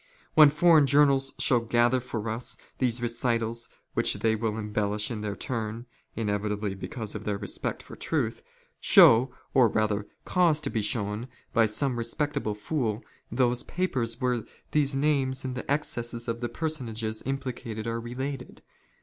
When foreign journals shall gather for us these " recitals, which they will embellish in their turn, (inevitably " because of their respect for truth) show, or rather cause to be " shown, by some respectable fool those papers where the names " and the excesses of the personages implicated are related.